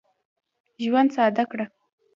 ژوند ساده کړه.